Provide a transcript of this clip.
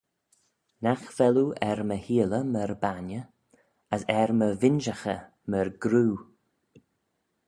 Nagh vel oo er my heeley myr bainney, as er my vinjaghey myr groo?